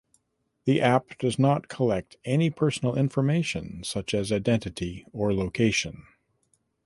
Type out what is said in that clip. The app does not collect any personal information such as identity or location.